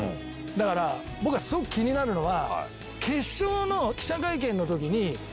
だから僕すごく気になるのは。